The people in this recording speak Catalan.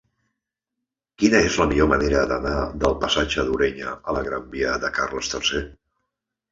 Quina és la millor manera d'anar del passatge d'Ureña a la gran via de Carles III?